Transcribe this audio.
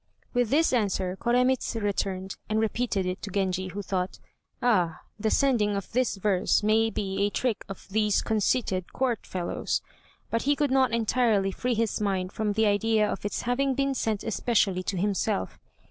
With this answer Koremitz returned, and repeated it to Genji, who thought, "Ah! the sending of this verse may be a trick of these conceited Court fellows!" but he could not entirely free his mind from the idea of its having been sent especially to himself.